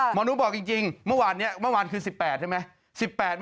หมอหนูบอกจริงเมื่อวานนี้เมื่อวานคือ๑๘ใช่ไหม